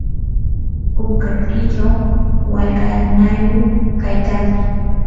kunkaykichaw wallqanayuq kaykanki.